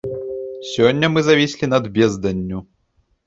Сёння мы завіслі над безданню.